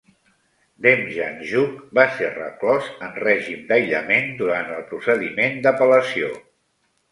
Demjanjuk va ser reclòs en règim d'aïllament durant el procediment d'apel·lació.